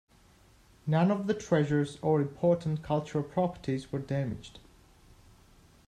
None of the treasures or Important Cultural Properties were damaged.